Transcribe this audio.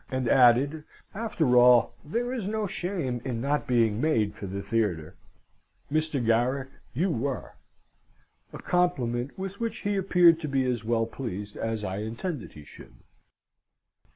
And added, "After all, there is no shame in not being made for the theatre. Mr. Garrick you were." A compliment with which he appeared to be as well pleased as I intended he should.